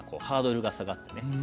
ハードルが下がってね。